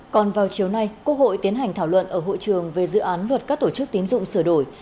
còn vào chiều nay quốc hội tiến hành thảo luận ở hội trường về dự án luật các tổ chức tiến dụng sửa đổi